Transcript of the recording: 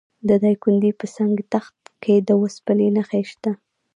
د دایکنډي په سنګ تخت کې د وسپنې نښې شته.